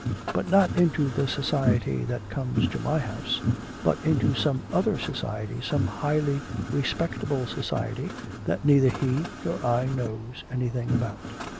But not into the society that comes to my house, but into some other society, some highly respectable society that neither he nor I knows anything about.